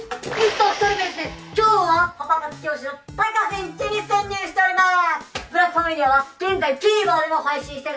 今日はパパ活教師の高瀬んちに潜入しております！